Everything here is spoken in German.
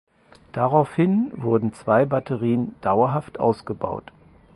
Daraufhin wurden zwei Batterien dauerhaft ausgebaut.